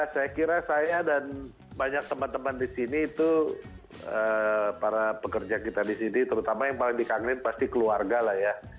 saya kira saya dan banyak teman teman di sini itu para pekerja kita di sini terutama yang paling dikangenin pasti keluarga lah ya